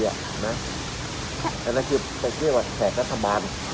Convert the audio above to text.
ธนาคิตก็เรียกว่าแลกรัฐบาล